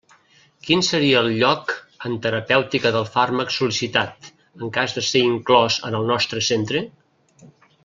Quin seria el lloc en terapèutica del fàrmac sol·licitat, en cas de ser inclòs en el nostre centre?